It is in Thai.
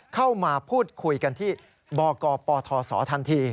เข้ามาพูดคุยกันที่บกปทศทันที